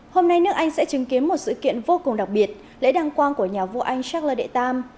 hôm nay nước anh sẽ chứng kiến một sự kiện vô cùng đặc biệt lễ đăng quang của nhà vua anh charle đệ tam